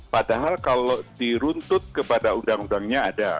padahal kalau diruntut kepada undang undangnya ada